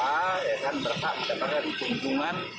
jadi sebetulnya kita mau datang pagi siang sore juga